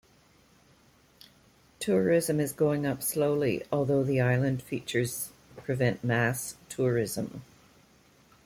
Tourism is going up slowly, although the island features prevent mass tourism.